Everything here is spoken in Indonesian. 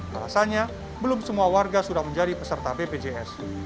alasannya belum semua warga sudah menjadi peserta bpjs